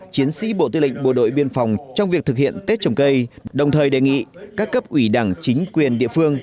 chiến sĩ bộ tư lệnh bộ đội biên phòng trong việc thực hiện tết trồng cây đồng thời đề nghị các cấp ủy đảng chính quyền địa phương